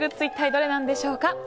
一体どれなのでしょうか。